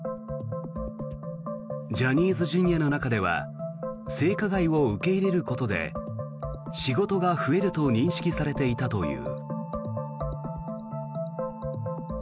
ジャニーズＪｒ．の中では性加害を受け入れることで仕事が増えると認識されていたという。